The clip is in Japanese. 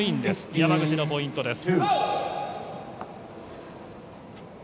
山口のポイントです。